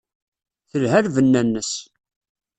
Telha lbenna-nnes.